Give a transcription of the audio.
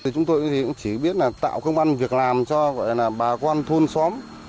chúng tôi cũng chỉ biết là tạo công an việc làm cho bà con thôn xóm